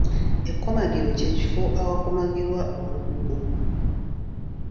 Ekkomagiro ky’ekifo awakomagirwa olubugo.